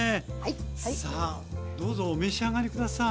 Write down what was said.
さあどうぞお召し上がり下さい。